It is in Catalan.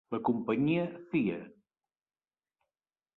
La companyia Cia.